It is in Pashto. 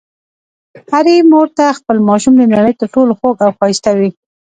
هرې مور ته خپل ماشوم د نړۍ تر ټولو خوږ او ښایسته وي.